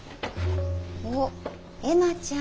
おっ絵麻ちゃん